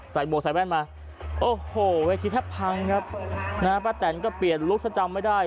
หมวกใส่แว่นมาโอ้โหเวทีแทบพังครับนะฮะป้าแตนก็เปลี่ยนลุคซะจำไม่ได้